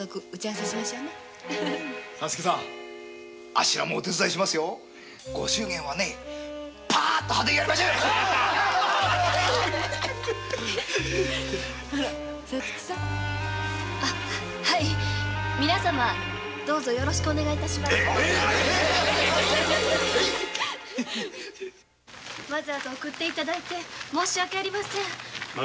わざわざ送って頂いて申し訳ありません。